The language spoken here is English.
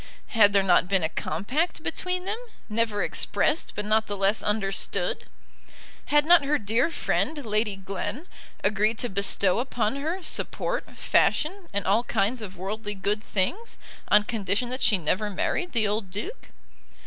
Had there not been a compact between them, never expressed, but not the less understood? Had not her dear friend, Lady Glen, agreed to bestow upon her support, fashion, and all kinds of worldly good things, on condition that she never married the old Duke?